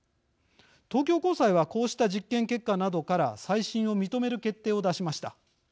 東京高裁はこうした実験結果などから再審を認める決定を出しました。